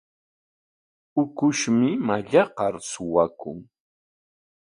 Ukushmi mallaqnar suwakun.